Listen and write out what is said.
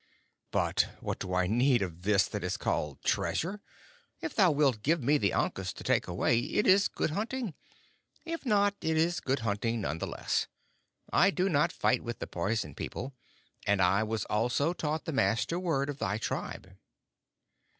"But what do I need of this that is called treasure? If thou wilt give me the ankus to take away, it is good hunting. If not, it is good hunting none the less. I do not fight with the Poison People, and I was also taught the Master word of thy tribe."